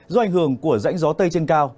do ảnh hưởng của rãnh gió tây trên cao